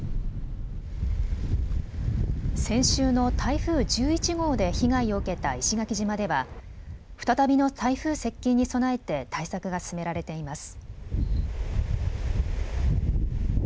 先週の台風１１号で被害を受けた石垣島では再びの台風接近に備えて対策が進められています。